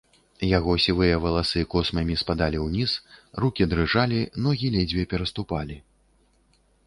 Яго сівыя валасы космамі спадалі ўніз, рукі дрыжалі, ногі ледзьве пераступалі.